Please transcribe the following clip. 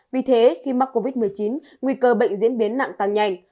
vì thế khi mắc covid một mươi chín nguy cơ bệnh diễn biến nặng tăng nhanh